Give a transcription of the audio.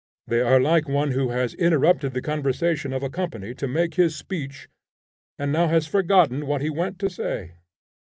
They are like one who has interrupted the conversation of a company to make his speech, and now has forgotten what he went to say.